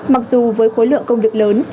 mặc dù với khối lượng công việc lớn